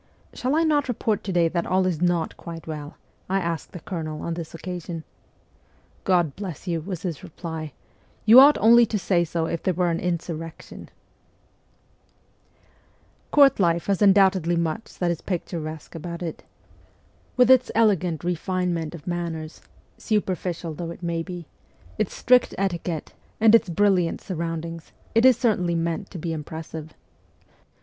' Shall I not report to day that all is not quite well?' I asked the colonel on this occasion. 1 God bless you,' was his reply, 'you ought only to say so if there were an insurrection !' Court life has undoubtedly much that is picturesque H 2 164 MEMOIRS OF A REVOLUTIONIST about it. With its elegant refinement of manners superficial though it may be its strict etiquette, and its brilliant surroundings, it is certainly meant to be impressive.